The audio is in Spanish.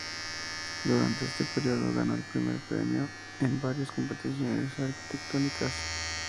Durante este periodo, ganó el primer premio en varias competiciones arquitectónicas.